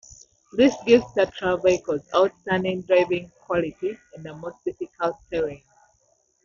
This gives Tatra vehicles outstanding driving qualities in the most difficult terrains.